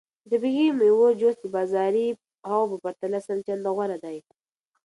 د طبیعي میوو جوس د بازاري هغو په پرتله سل چنده غوره دی.